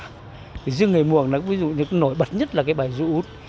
nhưng người mường nó nổi bật nhất là cái bài ru út